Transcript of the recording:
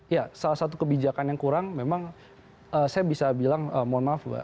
ya salah satu kebijakan yang kurang memang saya bisa bilang mohon maaf bu eva memang kita telat untuk mengantisipasi sebenarnya